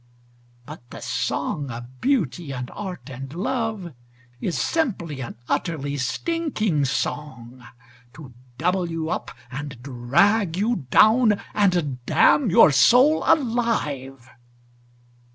But the song of Beauty and Art and Love Is simply an utterly stinking song, To double you up and drag you down And damn your soul alive.